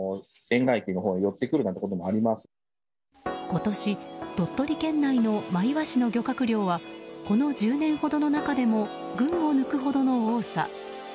今年、鳥取県内のマイワシの漁獲量はこの１０年ほどの中でも群を抜くほどの多さ。